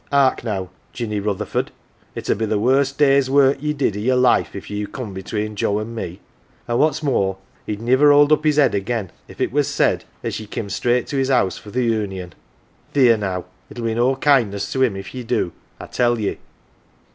" 'Ark now, Jinny Rutherford, it 'ud be the worst day's work ye did i' your life if you come between Joe an' me. An' what's more, he'd niver 162 AUNT JINNY ''old up his head again if it was said as ye come straight to his house fro 1 th' Union. Theer, now ! It'll be no kindness to him if ye do, I tell ye.""